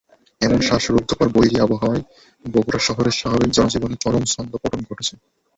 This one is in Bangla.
এমন শ্বাসরুদ্ধকর বৈরী আবহাওয়ায় বগুড়া শহরের স্বাভাবিক জনজীবনে চরম ছদ্মপতন ঘটেছে।